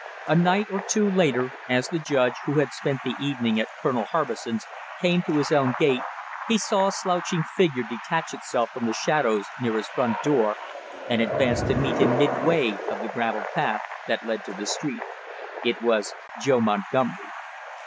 A night or two later, as the judge, who had spent the evening at Colonel Harbison's, came to his own gate, he saw a slouching figure detach itself from the shadows near his front door and advance to meet him midway of the graveled path that led to the street. It was Joe Montgomery.